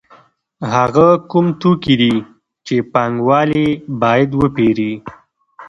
هغه کوم توکي دي چې پانګوال یې باید وپېري